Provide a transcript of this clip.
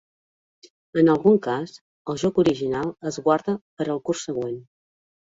En algun cas el joc original es guarda per al curs següent.